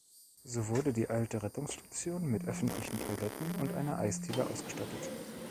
So wurde die alte Rettungsstation mit öffentlichen Toiletten und einer Eisdiele ausgestattet.